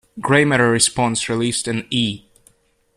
Grey Matter Response released an E!